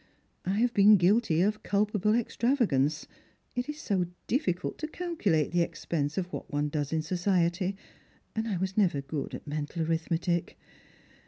I have been guilty of culpable extravagance ; it is so difficult to calculate the expense of what one does in society, and I never was good at mental arithmetic.